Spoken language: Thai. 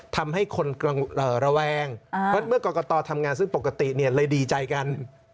ทำให้คนระแวงเพราะเมื่อกรกตทำงานซึ่งปกติเลยดีใจกัน